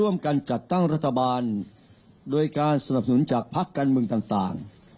เรื่องการจัดทั้งรัฐบาลโดยการสนับสนุนจากภาคการเมืองต่าง